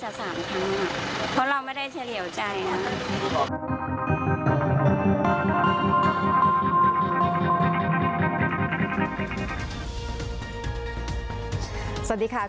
มันเป็นแบบที่สุดท้าย